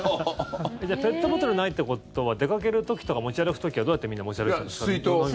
じゃあペットボトルないってことは出かける時とか持ち歩く時はどうやってみんな持ち歩いてたんですか？